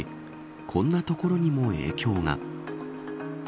こんなところにも影響が。